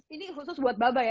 ini khusus buat baba ya